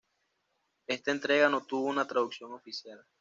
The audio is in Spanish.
Esta entrega no tuvo una traducción oficial.